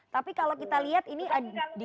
tapi kalau kita lihat ini di